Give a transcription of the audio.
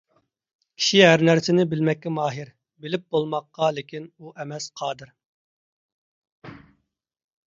كىشى ھەر نەرسىنى بىلمەككە ماھىر. بىلىپ بولماققا لىكىن ئۇ ئەمەس قادىر.